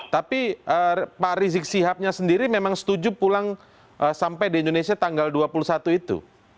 tapi pak rizik sihabnya sendiri memang setuju pulang sampai di indonesia tanggal dua puluh satu itu